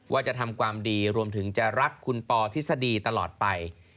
ว่าจะทำความดีรวมถึงจะรักคุณปอทฤษฎีตลอดไป